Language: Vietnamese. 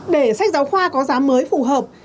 để sách giáo khoa có giá mới phù hợp